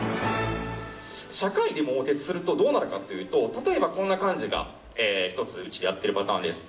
社会で「桃鉄」するとどうなるかというと例えばこんな感じが１つパターンです。